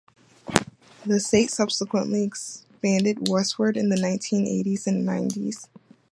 The estate subsequently expanded westward in the nineteen eighties and nineties.